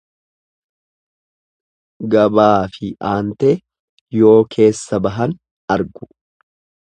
Gabaafi aantee yoo keessa bahan argu.